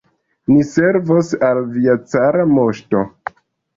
Ni servos al via cara moŝto!